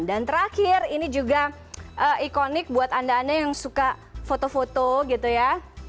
dan terakhir ini juga ikonik buat anda anda yang suka foto foto gitu ya